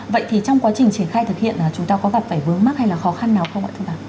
vậy thì trong quá trình triển khai thực hiện là chúng ta có gặp phải vướng mắt hay là khó khăn nào không ạ thưa bà